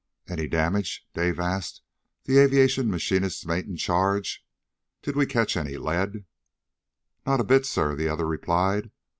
"Any damage?" Dave asked the aviation machinist's mate in charge. "Did we catch any lead?" "Not a bit, sir," the other replied.